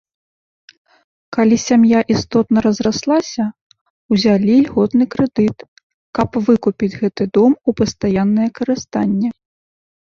Калі сям'я істотна разраслася, узялі льготны крэдыт, каб выкупіць гэты дом у пастаяннае карыстанне.